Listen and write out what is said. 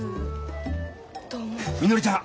みのりちゃん！